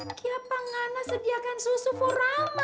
gak apa apa sediakan susu untuk rama